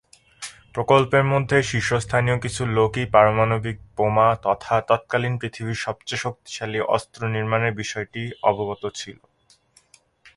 প্রকল্পের মধ্যে শীর্ষস্থানীয় কিছু লোকই পারমাণবিক বোমা তথা তৎকালীন পৃথিবীর সবচেয়ে শক্তিশালী অস্ত্র নির্মাণের বিষয়টি অবগত ছিল।